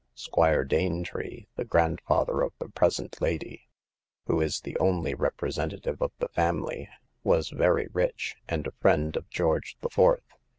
Squire Danetree, the grandfather of the present lady, who is the only representative of the family, was very rich, and a friend of George the Fourth.